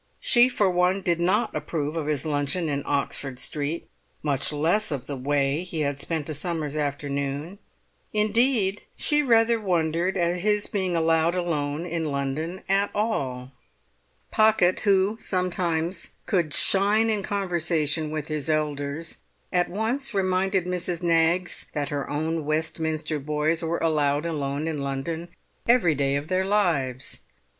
She for one did not approve of his luncheon in Oxford Street, much less of the way he had spent a summer's afternoon; indeed, she rather wondered at his being allowed alone in London at all. Pocket, who could sometimes shine in conversation with his elders, at once reminded Mrs. Knaggs that her own Westminster boys were allowed alone in London every day of their lives.